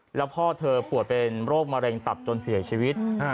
แล้วพ่อเธอปวดเป็นโรคมะเร็งตับจนเสียชีวิต